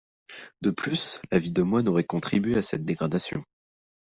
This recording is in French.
De plus, la vie de moine aurait contribué à cette dégradation.